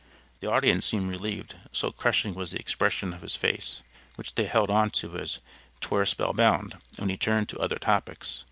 The audience seemed relieved, so crushing was the expression of his face which they held onto as 'twere spell bound when he turned to other topics.